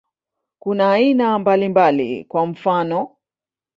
Kuna aina mbalimbali, kwa mfano.